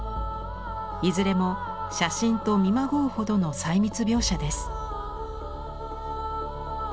いずれも写真と見まごうほどの細密描写です。